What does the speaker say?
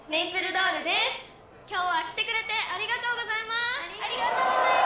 どーるです今日は来てくれてありがとうございます